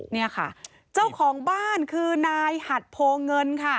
เนี่ยค่ะเจ้าของบ้านคือนายหัดโพเงินค่ะ